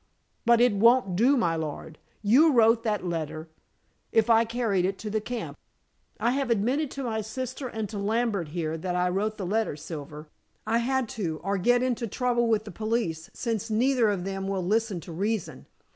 But it won't do, my lord. You wrote that letter, if I carried it to the camp." "I have admitted to my sister and to Lambert, here, that I wrote the letter, Silver. I had to, or get into trouble with the police, since neither of them will listen to reason.